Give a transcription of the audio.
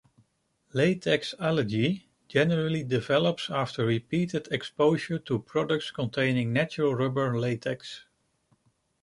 Latex allergy generally develops after repeated exposure to products containing natural rubber latex.